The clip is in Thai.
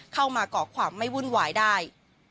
เข้ามาเกาะความไม่วุ่นหวายได้